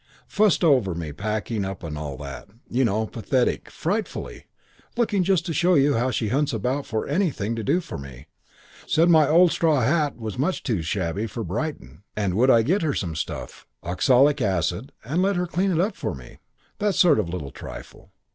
Fussed over me packing up and all that, you know. Pathetic. Frightfully. Look, just to show you how she hunts about for anything to do for me said my old straw hat was much too shabby for Brighton and would I get her some stuff, oxalic acid, and let her clean it up for me. That sort of little trifle.